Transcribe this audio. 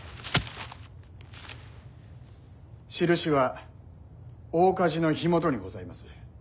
印は大火事の火元にございます。